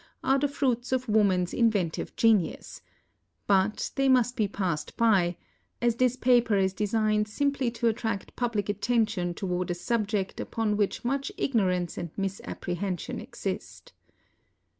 are the fruits of woman's inventive genius ; but they must be passed by, as this paper is designed simply to attract public attention toward a subject upon which much ignorance and misapprehension exist.